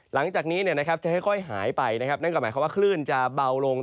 หลังจากนี้จะค่อยหายไปนะครับนั่นก็หมายความว่าคลื่นจะเบาลง